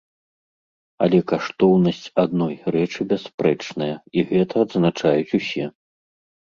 Але каштоўнасць адной рэчы бясспрэчная, і гэта адзначаюць усе.